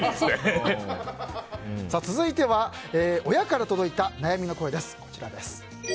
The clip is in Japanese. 続いては親から届いた悩みの声です。